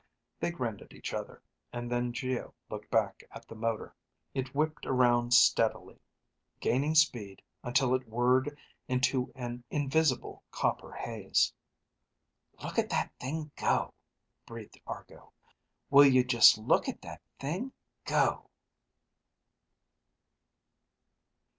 They grinned at each other, and then Geo looked back at the motor. It whipped around steadily, gaining speed until it whirred into an invisible copper haze. "Look at that thing go," breathed Argo. "Will you just look at that thing go!"